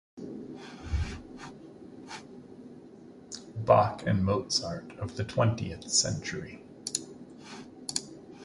Bach and Mozart of the twentieth century.